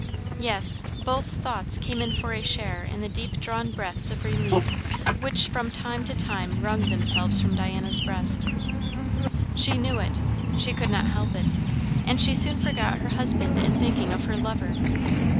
Yes, both thoughts came in for a share in the deep drawn breaths of relief which from time to time wrung themselves from Diana's breast. She knew it; she could not help it; and she soon forgot her husband in thinking of her lover.